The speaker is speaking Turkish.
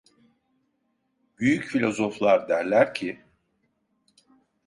Büyük filozoflar derler ki: